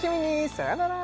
さよなら